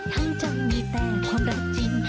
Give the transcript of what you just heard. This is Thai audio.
ทั้งจะมีแต่ความรักจริง